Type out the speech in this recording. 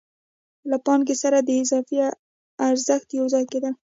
له پانګې سره د اضافي ارزښت یو ځای کېدل